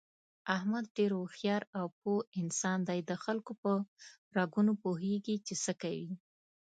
احمد ډېر هوښیار او پوه انسان دی دخلکو په رګونو پوهېږي، چې څه کوي...